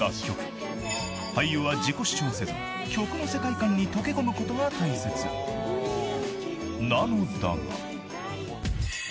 ［俳優は自己主張せず曲の世界観に溶け込むことが大切なのだが］